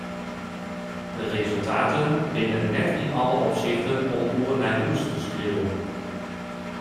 De resultaten binne net yn alle opsichten om oer nei hús te skriuwen.